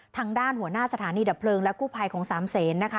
ทางด้านหัวหน้าสถานีดับเพลิงและกู้ภัยของสามเศษนะคะ